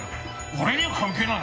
俺には関係ない！